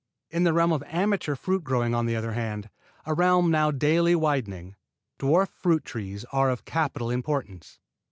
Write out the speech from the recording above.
In the realm of amateur fruit growing, on the other hand, a realm now daily widening, dwarf fruit trees are of capital importance.